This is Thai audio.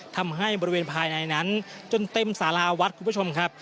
ทำให้บริเวณภายในนั้นจนเต็มสาราวัดคุณผู้ชมครับ